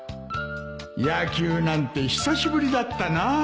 野球なんて久しぶりだったなあ